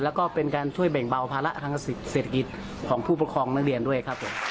แล้วก็เป็นการช่วยแบ่งเบาภาระทางเศรษฐกิจของผู้ปกครองนักเรียนด้วยครับผม